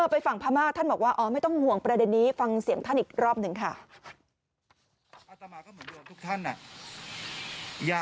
อ๋อไปฝั่งพระม่าท่านบอกว่าอ๋อไม่ต้องห่วงประเด็นนี้